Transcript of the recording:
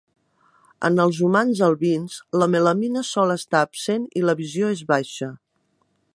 En els humans albins, la melanina sol estar absent i la visió és baixa.